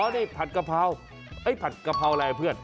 นี่ผัดกะเพราผัดกะเพราอะไรเพื่อน